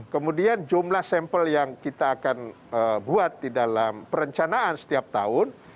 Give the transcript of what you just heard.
kemudian jumlah sampel yang kita akan buat di dalam perencanaan setiap tahun